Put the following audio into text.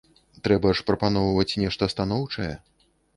Трэба ж прапаноўваць нешта станоўчае.